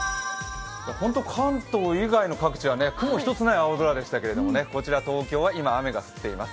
関東以外の各地は雲一つない青空でしたけどこちら、東京は今、雨が降っています。